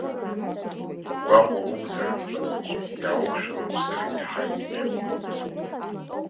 Угәаҟуа уқәзар аҵкыс, иаауқәшәаны уԥсыр еиҳа еиӷьуп!